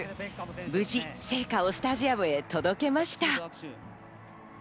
無事、聖火をスタジアムへ届けました。